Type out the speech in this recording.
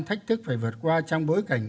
thách thức phải vượt qua trong bối cảnh